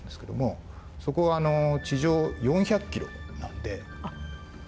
そこは地上４００キロなので。